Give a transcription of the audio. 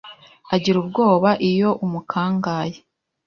agira ubwoba iyo umukangaye.